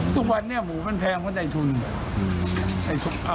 ทุกวันนี้หมูมันแพงเพราะในทุน